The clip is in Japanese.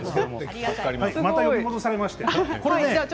また呼び戻されました。